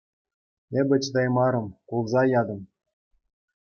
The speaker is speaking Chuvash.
Эпӗ чӑтаймарӑм, кулса ятӑм.